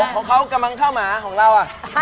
ของเขากำลังเข้าหมาของเรา